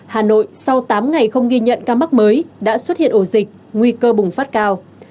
hà nội sau tám ngày không ghi nhận ca mắc mới đã xuất hiện ổ dịch nguy cơ bùng phát cao